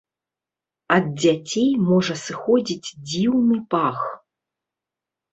Ад дзяцей можа сыходзіць дзіўны пах.